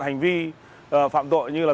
hành vi phạm tội như là